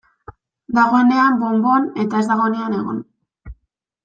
Dagoenean bon-bon, eta ez dagoenean egon.